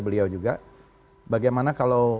beliau juga bagaimana kalau